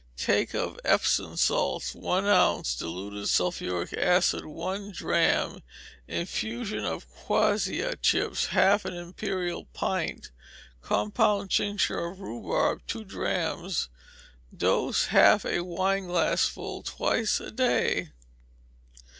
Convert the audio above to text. Take of Epsom salts one ounce, diluted sulphuric acid one drachm, infusion of quassia chips half an imperial pint, compound tincture of rhubarb two drachms. Dose, half a wineglassful twice a day.